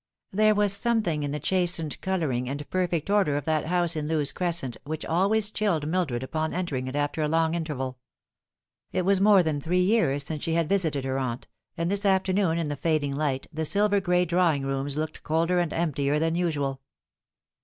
There was something in the chastened colouring and perfect order of that house in Lewes Crescent which always chHed Mildred upon entering it after a long interval. It was more than three years since she had visited her aunt, and this after noon in the fading light the silver gray drawing rooms looked colder and emptier than usual.